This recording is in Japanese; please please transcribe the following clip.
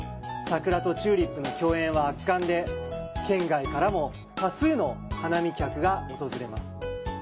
桜とチューリップの共演は圧巻で県外からも多数の花見客が訪れます。